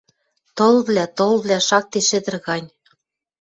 Тылвлӓ, тылвлӓ, шакте шӹдӹр гань.